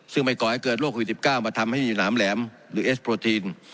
ซึ่งไม่ก่อให้เกิดโควิด๑๙มาทำให้มีหนามแหลมหรือเอสโปรทีน